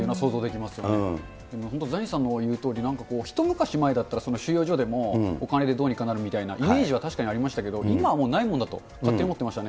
でも本当にザニーさんの言うとおり、一昔前だったら、収容所でもお金でどうにかなるみたいなイメージは確かにありましたけど、今はもうないもんだと勝手に思ってましたね。